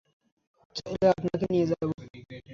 চাইলে আপনাকে নিয়ে যাবো।